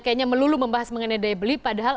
kayaknya melulu membahas mengenai daya beli padahal